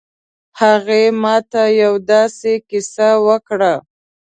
هغې ما ته یو ه داسې کیسه وکړه